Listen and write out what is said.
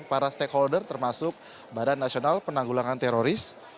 para stakeholder termasuk badan nasional penanggulangan teroris